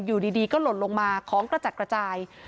อยู่ดีก็หล่นลงมาของกระจัดกระจาย